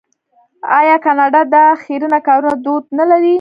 آیا کاناډا د خیریه کارونو دود نلري؟